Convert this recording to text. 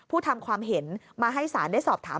ทำความเห็นมาให้ศาลได้สอบถาม